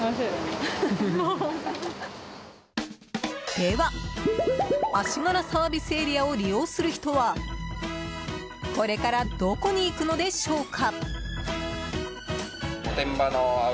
では、足柄ＳＡを利用する人はこれからどこに行くのでしょうか。